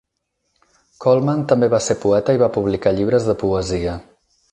Coleman també va ser poeta i va publicar llibres de poesia.